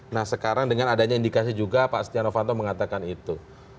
nah sekarang dengan adanya indikasi juga pak setia novanto mengatakan itu